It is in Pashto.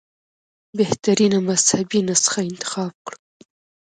بهترینه مذهبي نسخه انتخاب کړو.